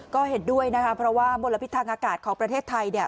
ก็เห็นด้วยนะคะเพราะว่ามลพิษทางอากาศของประเทศไทยเนี่ย